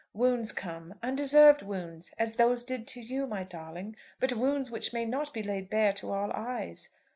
Wounds come, undeserved wounds, as those did to you, my darling; but wounds which may not be laid bare to all eyes.